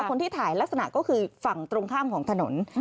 คนที่ถ่ายลักษณะก็คือฝั่งตรงข้ามของถนน